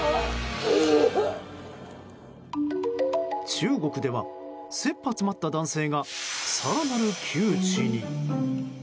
中国では、切羽詰まった男性が更なる窮地に。